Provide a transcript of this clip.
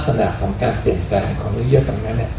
ลักษณะของการเปลี่ยนแปลงของเนื้อเยอะตรงนั้น